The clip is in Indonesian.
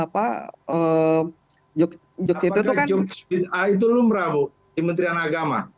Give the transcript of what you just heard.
apakah jokes bid'ah itu lumrah bu di menteri agama